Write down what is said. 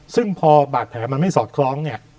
ซึ่งพอบาดแผลมันไม่สอดคล้องเนี่ย